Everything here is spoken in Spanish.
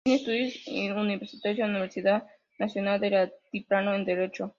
Tiene estudios universitarios en la Universidad Nacional del Altiplano en Derecho.